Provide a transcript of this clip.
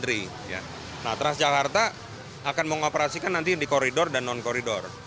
nah transjakarta akan mengoperasikan nanti di koridor dan non koridor